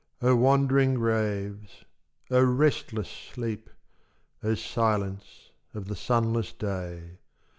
O wandering graves! O restless sleep! O silence of the sunless day!